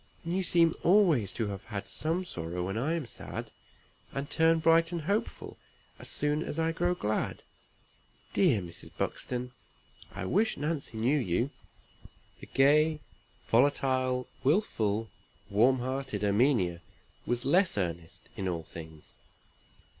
And you seem always to have had some sorrow when I am sad, and turn bright and hopeful as soon as I grow glad. Dear Mrs. Buxton! I wish Nancy knew you." The gay, volatile, willful, warm hearted Erminia was less earnest in all things.